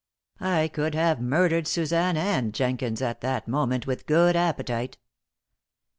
I could have murdered Suzanne and Jenkins at that moment with good appetite.